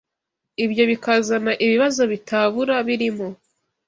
ibyo bikazana ibibazo bitabura birimo